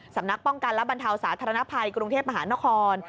สำนักป้องกันและบรรเทาสาธารณภัยกรุงเทพมหานคร